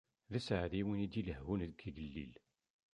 D aseɛdi win i d-ilehhun d yigellil.